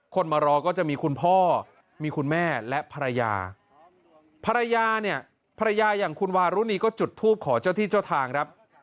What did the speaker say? มารอก็จะมีคุณพ่อมีคุณแม่และภรรยาภรรยาเนี่ยภรรยาอย่างคุณวารุณีก็จุดทูปขอเจ้าที่เจ้าทางครับ